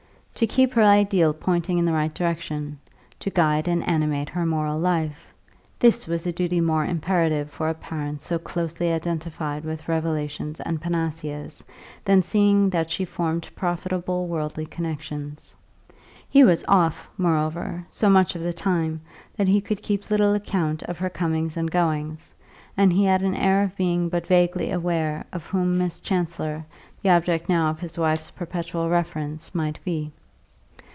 To keep her ideal pointing in the right direction, to guide and animate her moral life this was a duty more imperative for a parent so closely identified with revelations and panaceas than seeing that she formed profitable worldly connexions. He was "off," moreover, so much of the time that he could keep little account of her comings and goings, and he had an air of being but vaguely aware of whom Miss Chancellor, the object now of his wife's perpetual reference, might be.